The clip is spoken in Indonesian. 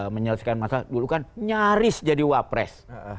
menyelesaikan masalah dulu kan nyaris jadi wapres